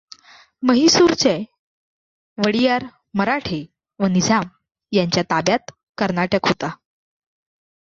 म्हैसूरचे वडियार, मराठे व निझाम यांच्या ताब्यात कर्नाटक होता.